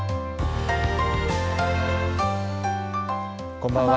こんばんは。